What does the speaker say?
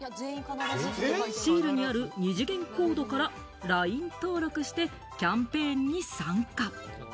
シールにある二次元コードからＬＩＮＥ登録してキャンペーンに参加。